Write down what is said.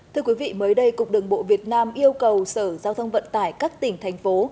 thưa quý vị mới đây cục đường bộ việt nam yêu cầu sở giao thông vận tải các tỉnh thành phố